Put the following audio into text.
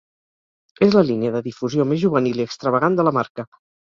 És la línia de difusió més juvenil i extravagant de la marca.